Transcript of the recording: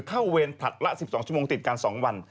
เข้าเวรถัดละ๑๒ชั่วโมงติดการ๒วัน